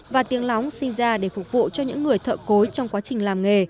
và tiếng lóng sinh ra để phục vụ cho những người thợ cối trong quá trình làm nghề